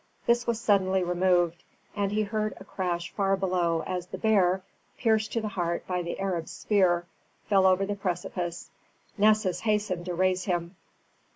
This was suddenly removed, and he heard a crash far below as the bear, pierced to the heart by the Arab's spear, fell over the precipice. Nessus hastened to raise him.